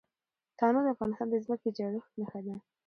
تنوع د افغانستان د ځمکې د جوړښت نښه ده.